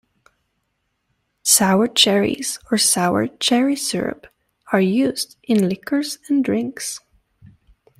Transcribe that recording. Sour cherries or sour cherry syrup are used in liqueurs and drinks.